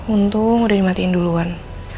untung udah dimatiin duluan